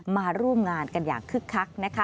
มาร่วมงานกันอย่างคึกคักนะคะ